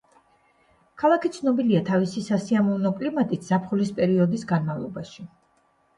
ქალაქი ცნობილია თავისი სასიამოვნო კლიმატით ზაფხულის პერიოდის განმავლობაში.